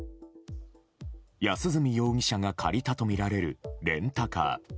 安栖容疑者が借りたとみられるレンタカー。